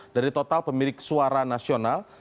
dari total pemilik suara nasional